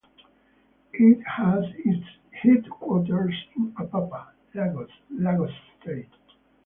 It has its headquarters in Apapa, Lagos, Lagos State.